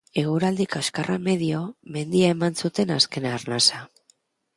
Eguraldi kaskarra medio, mendian eman zuten azken arnasa.